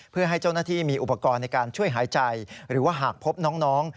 เพื่อให้เจ้าหน้าที่มีอุปกรณ์ในการช่วยหายใจหรือว่าหากพบน้อง